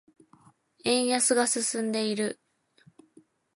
円安が進んでいる。